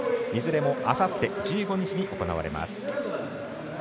いずれも、あさって１５日に行われます。